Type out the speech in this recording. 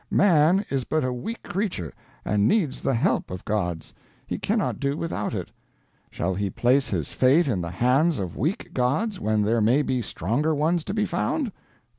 Man is but a weak creature, and needs the help of gods he cannot do without it. Shall he place his fate in the hands of weak gods when there may be stronger ones to be found?